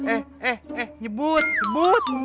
eh eh eh nyebut nyebut